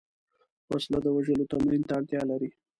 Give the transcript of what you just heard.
وسله د وژلو تمرین ته اړتیا لري